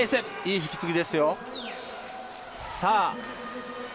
いい引き継ぎですよ。